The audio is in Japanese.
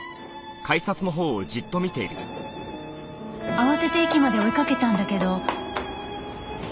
慌てて駅まで追いかけたんだけど。